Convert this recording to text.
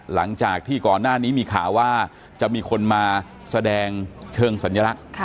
หลังจากที่ก่อนหน้านี้มีข่าวว่าจะมีคนมาแสดงเชิงสัญลักษณ์